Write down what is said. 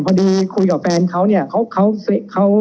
พอดีคุยกับแฟนเขานี่เขาเขาเขา